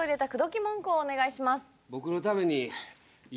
僕のために。